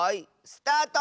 スタート！